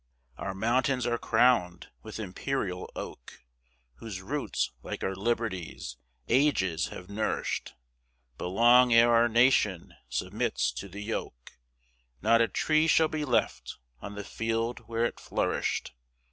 Our mountains are crown'd with imperial oak; Whose roots, like our liberties, ages have nourish'd; But long ere our nation submits to the yoke, Not a tree shall be left on the field where it flourish'd.